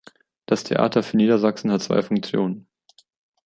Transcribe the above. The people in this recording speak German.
Das Theater für Niedersachsen hat zwei Funktionen.